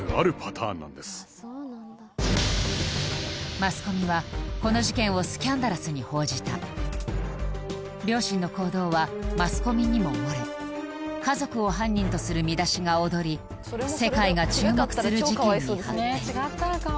マスコミはこの事件をスキャンダラスに報じた両親の行動はマスコミにも漏れ家族を犯人とする見出しが躍り世界が注目する事件に発展！